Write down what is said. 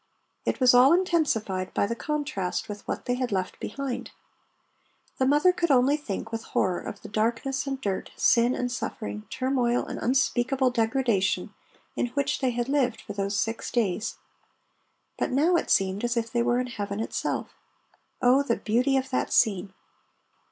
It was all intensified by the contrast with what they had left behind. The mother could only think with horror of the darkness and dirt, sin and suffering, turmoil and unspeakable degradation in which they had lived for those six days. But now it seemed as if they were in heaven itself. Oh, the beauty of that scene!